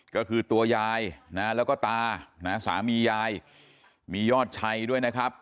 ก็คือตัวยายนะแล้วก็ตานะสามียายมียอดชัยด้วยนะครับ